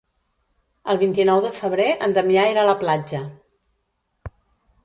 El vint-i-nou de febrer en Damià irà a la platja.